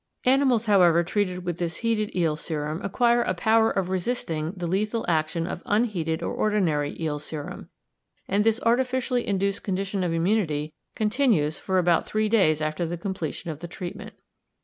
Animals, however, treated with this heated eel serum acquire a power of resisting the lethal action of unheated or ordinary eel serum, and this artificially induced condition of immunity continues for about three days after the completion of the treatment.